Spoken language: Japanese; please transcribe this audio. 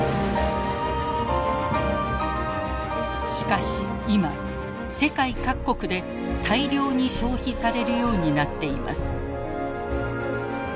しかし今世界各国で大量に消費されるようになっています。